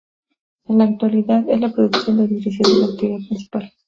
En la actualidad, es la producción de electricidad la actividad principal.